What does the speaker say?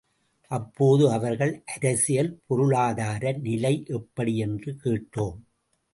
அப்போது அவர்கள் அரசியல் பொருளாதார நிலை எப்படி என்று கேட்டோம்.